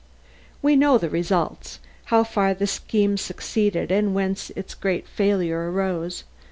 We know its results how far the scheme succeeded and whence its great failure arose.